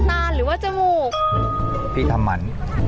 โอ้เฮ้ย